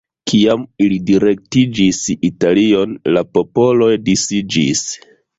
Kiam ili direktiĝis Italion la popoloj disiĝis.